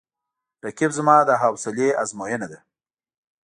رقیب زما د حوصله آزموینه ده